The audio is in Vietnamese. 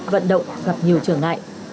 vận động gặp nhiều trở ngại